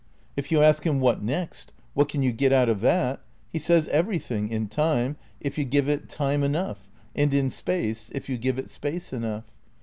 If you ask him. What next? What can you get out of that! he says. Everything in time, if you give it time enough, and in Space, if you give it space enough.